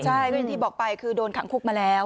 ใช่ก็อย่างที่บอกไปคือโดนขังคุกมาแล้ว